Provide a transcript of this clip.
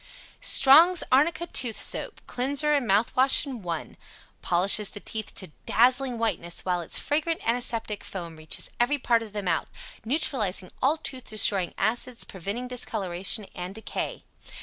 ] Strong's Arnica Tooth Soap Cleanser and Mouth Wash In One Polishes the teeth to dazzling whiteness, while its fragrant antiseptic foam reaches every part of the mouth neutralizing all tooth destroying acids, preventing discoloration and decay.